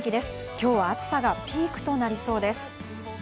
今日は暑さがピークとなりそうです。